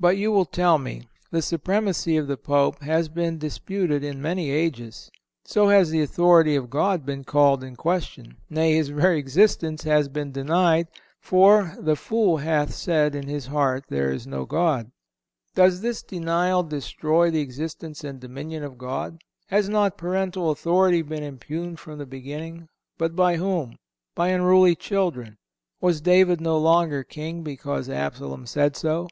But you will tell me: "The supremacy of the Pope has been disputed in many ages." So has the authority of God been called in question—nay, His very existence has been denied; for, "the fool hath said in his heart there is no God."(171) Does this denial destroy the existence and dominion of God? Has not parental authority been impugned from the beginning? But by whom? By unruly children. Was David no longer king because Absalom said so?